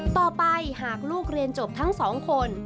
ต่อไปหากลูกเรียนจบทั้งสองคน